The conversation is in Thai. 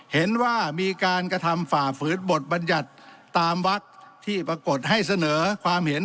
เห็นว่ามีการกระทำฝ่าฝืนบทบัญญัติตามวักที่ปรากฏให้เสนอความเห็น